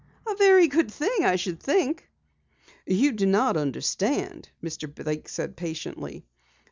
"A very good thing, I should think." "You do not understand," Mr. Blake said patiently.